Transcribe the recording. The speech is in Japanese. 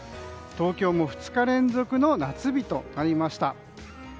東京も２日連続の夏日となりました。